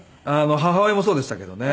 母親もそうでしたけどね。